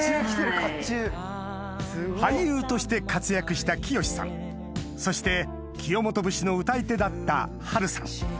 俳優として活躍した喜さんそして清元節の唄い手だったハルさん